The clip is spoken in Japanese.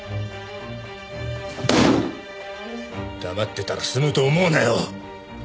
黙ってたら済むと思うなよ。